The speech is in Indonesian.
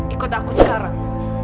ikut aku sekarang